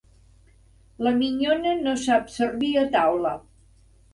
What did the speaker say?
La minyona no sap servir a taula.